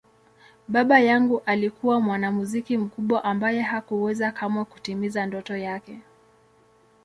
Baba yangu alikuwa mwanamuziki mkubwa ambaye hakuweza kamwe kutimiza ndoto yake.